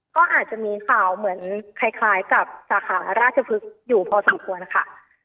ก็อาจจะมีข่าวเหมือนคล้ายกับสาขาราชพฤกษ์อยู่พอสมควรค่ะ